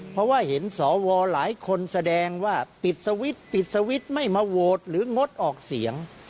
เพราะว่าเห็นสวหลายคนแสดงว่าปิดสวิตช์ปิดสวิตช์ไม่มาโหวตหรืองดออกเสียง